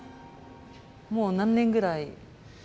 もう何年ぐらい？